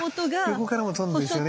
横からも撮るんですよね